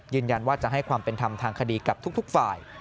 ยืนยันว่าจะให้ความเป็นธรรมทางคดีกับทุกฝ่าย